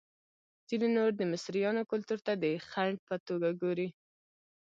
ځینې نور د مصریانو کلتور ته د خنډ په توګه ګوري.